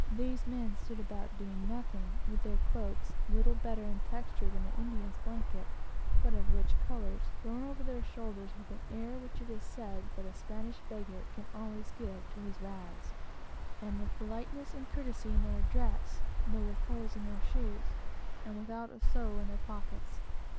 These men stood about doing nothing, with their cloaks, little better in texture than an Indian's blanket, but of rich colors, thrown over their shoulders with an air which it is said that a Spanish beggar can always give to his rags; and with great politeness and courtesy in their address, though with holes in their shoes and without a sou in their pockets.